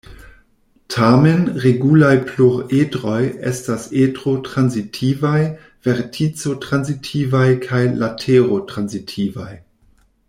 Tamen, regulaj pluredroj estas edro-transitivaj, vertico-transitivaj kaj latero-transitivaj.